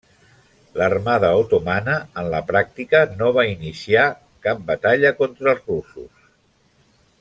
L'armada otomana, en la pràctica, no va iniciar cap batalla contra els russos.